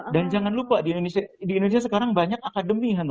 dan jangan lupa di indonesia sekarang banyak akademi